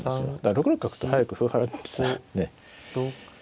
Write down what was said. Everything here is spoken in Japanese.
６六角と早く歩払ってね